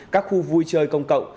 các khu vui chơi công cộng